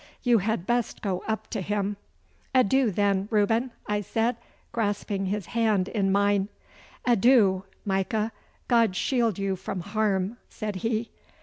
You had best go up to him.' 'Adieu, then, Reuben!' I said, grasping his hand in mine. 'Adieu, Micah! God shield you from harm,' said he.